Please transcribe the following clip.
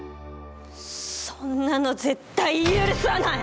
そんなの絶対許さない！